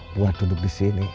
buat duduk disini